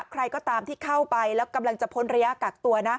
ใครก็ตามที่เข้าไปแล้วกำลังจะพ้นระยะกักตัวนะ